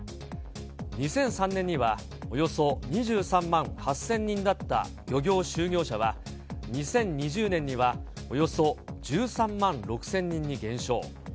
２００３年にはおよそ２３万８０００人だった漁業就業者は、２０２０年にはおよそ１３万６０００人に減少。